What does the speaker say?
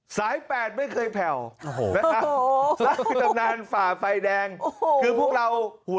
สายแปดไม่เคยแผ่วฝ่าไฟแดงคือพวกเราหัว